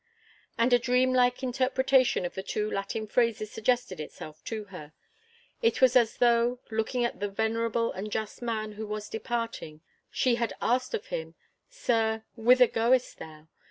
And a dream like interpretation of the two Latin phrases suggested itself to her. It was as though, looking at the venerable and just man who was departing, she had asked of him, 'Sir, whither goest thou?